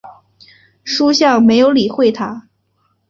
叔向没有理会他。